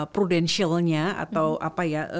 prudentialnya atau apa ya